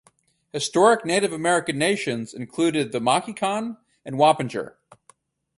Historic Native American nations included the Mahican and Wappinger.